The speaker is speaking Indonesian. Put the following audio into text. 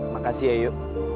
makasih ya yu